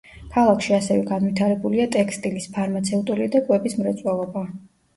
ქალაქში ასევე განვითარებულია ტექსტილის, ფარმაცევტული და კვების მრეწველობა.